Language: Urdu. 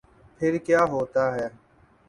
پھر کیا ہوتا ہے۔